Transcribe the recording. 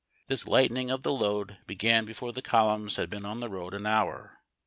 This lightening of the load began before the columns had been on the road an hour.